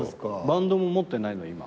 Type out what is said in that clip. バンドも持ってないの？